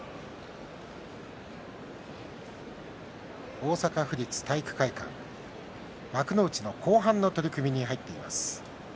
大阪府立体育会館幕内の後半の取組に入っています。